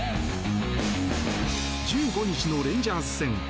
１５日のレンジャーズ戦。